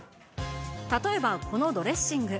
例えばこのドレッシング。